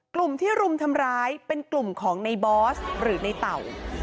กลุ่มที่รุมทำร้ายเป็นกลุ่มของในบอสหรือในเต่า